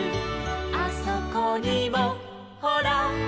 「あそこにもほら」